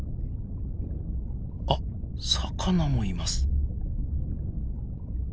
あっ魚もいます。